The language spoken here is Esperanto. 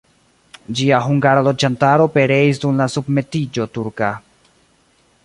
Ĝia hungara loĝantaro pereis dum la submetiĝo turka.